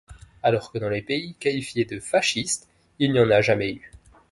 Alors que dans les pays qualifiés de “fascistes”, il n'y en a jamais eu.